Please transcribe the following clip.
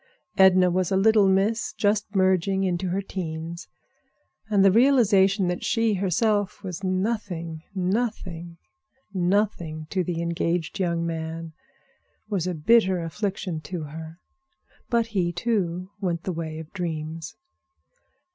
Edna was a little miss, just merging into her teens; and the realization that she herself was nothing, nothing, nothing to the engaged young man was a bitter affliction to her. But he, too, went the way of dreams.